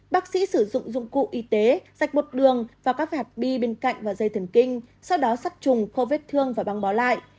bác sĩ sử dụng dụng cụ y tế sạch một đường vào các vẹt bi bên cạnh và dây thần kinh sau đó sắt trùng khô vết thương và băng bó lại